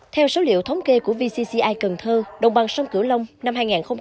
theo số liệu thống kê của vcci cần thơ đồng bằng sông cửu long năm hai nghìn một mươi tám